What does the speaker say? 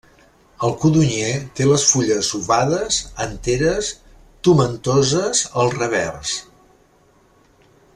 El codonyer té les fulles ovades, enteres, tomentoses al revers.